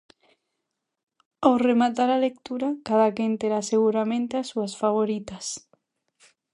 Ao rematar a lectura, cada quen terá seguramente as súas favoritas.